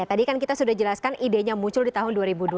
tadi kan kita sudah jelaskan idenya muncul di tahun